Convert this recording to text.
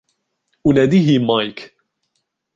أناديه مايك.